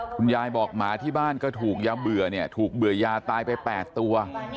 คุณยายบอกหมาที่บ้านก็ถูกยาเบื่อเนี่ยถูกเบื่อยาตายไป๘ตัว